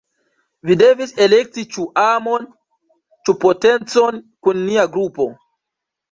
Vi devis elekti ĉu amon, ĉu potencon kun nia grupo.